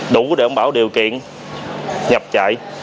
đủ để đảm bảo điều kiện nhập trại